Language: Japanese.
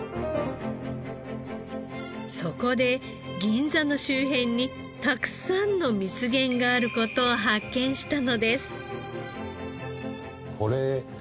そこで銀座の周辺にたくさんの蜜源がある事を発見したのです。